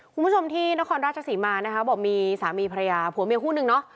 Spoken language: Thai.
คุณผู้ชมที่นครราชศรีมานะคะบอกมีสามีภรรยาผัวเมียคู่นึงเนาะ